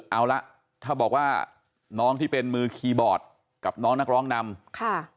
เอาละถ้าบอกว่าน้องที่เป็นมือคีย์บอร์ดกับน้องนักร้องนำค่ะ